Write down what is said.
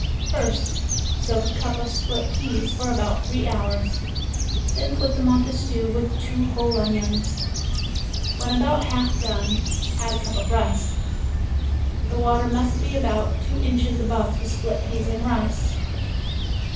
First soak a cup of split peas for about three hours. Then put them on to stew with two whole onions. When about half done add a cup of rice. The water must be about two inches above the split peas and rice.